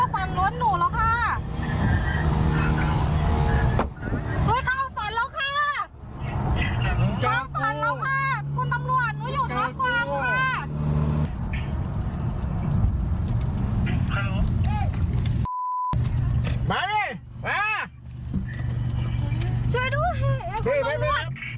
มันจับมาแล้ว